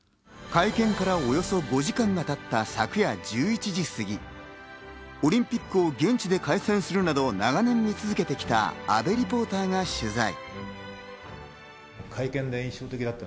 会見からおよそ５時間がたった昨夜１１時過ぎ、オリンピックを現地で観戦するなど、長年見続けてきた阿部リポーターが取材。